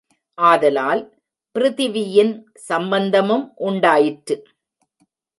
ஆதலால் பிருதிவியின் சம்பந்தமும் உண்டாயிற்று.